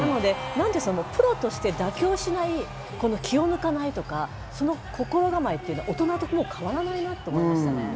プロとして妥協しない、気を抜かないとか、その心構えっていうのは大人と、もう変わらないなと思いました。